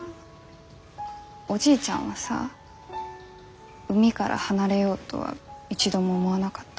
おじいちゃんはさ海から離れようとは一度も思わなかった？